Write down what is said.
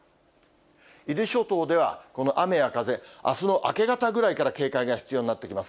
伊豆諸島ではこの雨や風、あすの明け方ぐらいから警戒が必要になってきます。